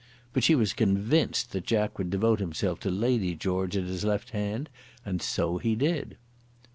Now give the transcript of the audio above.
But she was convinced that Jack would devote himself to Lady George at his left hand; and so he did.